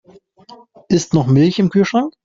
Ist noch Milch im Kühlschrank?